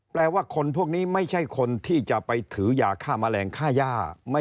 แปลว่าคนพวกนี้ไม่ใช่คนที่จะไปถือยาฆ่าแมลงค่าย่า